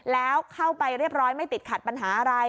แล้วเข้าไปเรียบร้อยไม่ติดขัดปัญหาอะไร